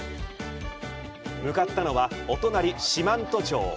向かったのは、お隣、四万十町。